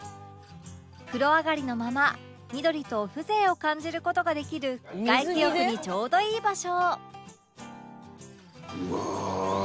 風呂上がりのまま緑と風情を感じる事ができる外気浴にちょうどいい場所